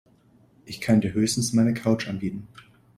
Ich kann dir höchstens meine Couch anbieten.